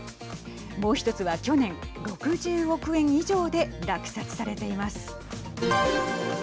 もう１つは去年６０億円以上で落札されています。